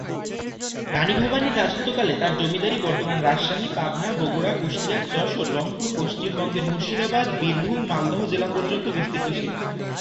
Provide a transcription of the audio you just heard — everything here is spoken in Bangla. রাণী ভবানীর রাজত্বকালে তার জমিদারি বর্তমান রাজশাহী, পাবনা, বগুড়া, কুষ্টিয়া, যশোর, রংপুর, পশ্চিমবঙ্গের মুর্শিদাবাদ, বীরভূম, মালদহ জেলা পর্যন্ত বিস্তৃত ছিল।